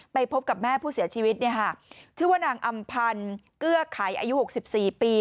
ไปพบกับแม่ผู้เสียชีวิตเนี่ยค่ะชื่อว่านางอำพันธ์เกื้อไขอายุหกสิบสี่ปี